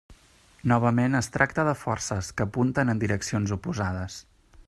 Novament es tracta de forces que apunten en direccions oposades.